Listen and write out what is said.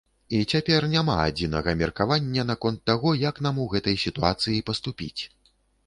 І цяпер няма адзінага меркавання наконт таго, як нам у гэтай сітуацыі паступіць.